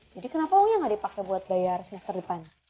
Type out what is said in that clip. jadi kenapa uangnya gak dipake buat bayar semester depan